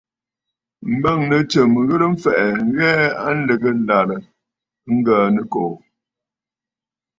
M̀bâŋnə̌ tsɨm ghɨrə mfɛ̀ʼɛ̀ ŋ̀hɛɛ a lɨ̀gə ɨlàrə Ŋgə̀ə̀ Nɨkòò wâ.